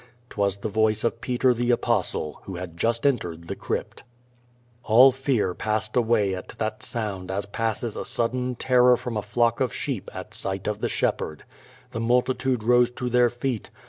'Twas the voice of Peter the Apostle, who had just entered the crypt. All fear passed away at that sound as passes a sudden terror from a flock of sheep at sight of the shepherd. The multitude rose to their feet.